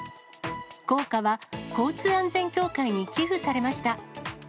硬貨は交通安全協会に寄付されました。